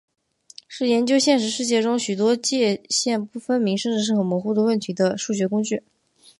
是研究现实世界中许多界限不分明甚至是很模糊的问题的数学工具。